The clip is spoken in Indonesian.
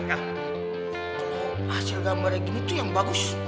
kalo hasil gambarnya gini tuh yang bagus